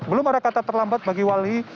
belum ada kata terlambat bagi wali